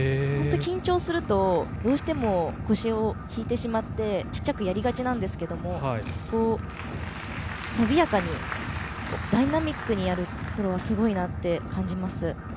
緊張すると、どうしても腰を引いてしまって小さくやりがちなんですけどそこを伸びやかにダイナミックにやるのがすごいなって感じます。